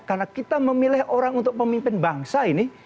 karena kita memilih orang untuk pemimpin bangsa ini